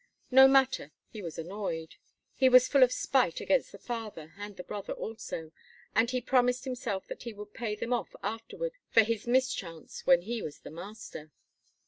No matter; he was annoyed. He was full of spite against the father and the brother also, and he promised himself that he would pay them off afterward for his mischance when he was the master.